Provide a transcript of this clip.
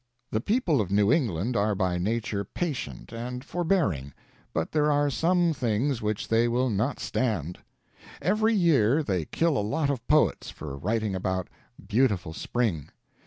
The people of New England are by nature patient and forbearing, but there are some things which they will not stand. Every year they kill a lot of poets for writing about "Beautiful Spring."